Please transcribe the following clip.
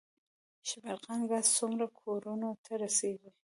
د شبرغان ګاز څومره کورونو ته رسیږي؟